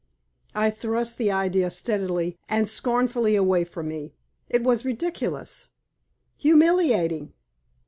I thrust the idea steadily and scornfully away from me, it was ridiculous humiliating.